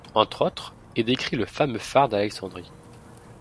Entre autres, est décrit le fameux Phare d'Alexandrie.